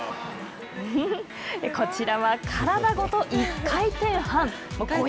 こちらは体ごと１回転半。